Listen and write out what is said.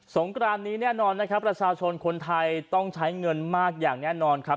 งกรานนี้แน่นอนนะครับประชาชนคนไทยต้องใช้เงินมากอย่างแน่นอนครับ